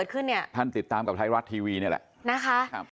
พวกผมจะไปมองหน้าประธาชนได้ยังไงล่ะ